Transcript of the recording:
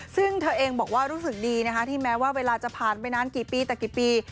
ซึ่งเธอเองบอกว่ารู้สึกดีนะคะที่แม้ว่าเวลาจะผ่านไปนานกี่ปีแต่กี่ปี